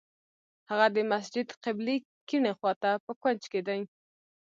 هغه د مسجد قبلې کیڼې خوا ته په کونج کې دی.